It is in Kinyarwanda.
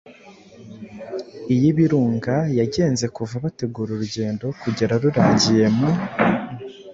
iy’Ibirunga yagenze kuva bategura urugendo kugera rurangiye. Mu